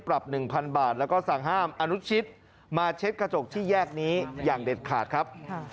ไม่ได้ไปทางอื่นครับบอกเขาไม่ทางเดียวก็ได้ครับ